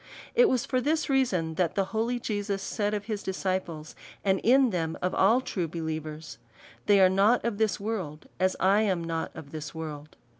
It was for this reason, that the holy Jesus said of his disciples, and in them of all true believers, " They are not of this world, as I am not of this world."